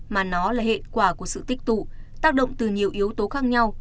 mà nó là hệ quả của sự tích tụ tác động từ nhiều yếu tố khác nhau